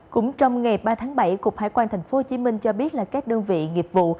cũng trong ngày ba tháng bảy cục hải quan tp hcm cho biết là các đơn vị nghiệp vụ